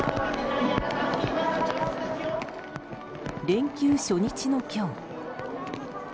連休初日の今日。